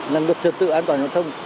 là luật trật tự an toàn giao thông